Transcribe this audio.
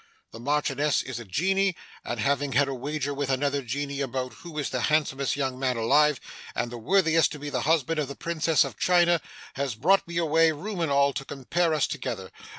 The Marchioness is a Genie, and having had a wager with another Genie about who is the handsomest young man alive, and the worthiest to be the husband of the Princess of China, has brought me away, room and all, to compare us together.